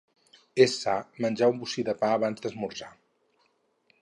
És sa menjar un bocí de pa abans d'esmorzar.